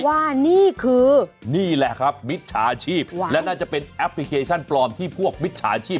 ว่านี่คือนี่แหละครับมิจฉาชีพและน่าจะเป็นแอปพลิเคชันปลอมที่พวกมิจฉาชีพ